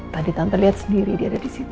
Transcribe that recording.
tadi tante lihat sendiri dia ada disitu